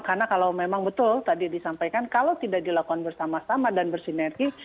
karena kalau memang betul tadi disampaikan kalau tidak dilakukan bersama sama dan bersinergi